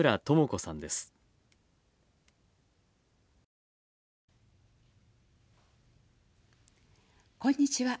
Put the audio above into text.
こんにちは。